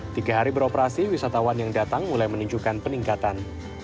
tiga hari beroperasi wisatawan yang datang mulai menunjukkan peningkatan